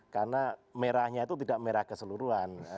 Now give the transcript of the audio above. karena merahnya itu tidak merah keseluruhan